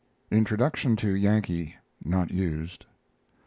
Introduction to YANKEE (not used).